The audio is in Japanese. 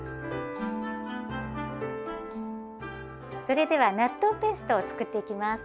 それでは納豆ペーストを作っていきます。